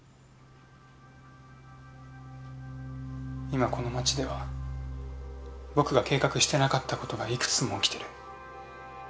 今この町では僕が計画してなかった事がいくつも起きてる。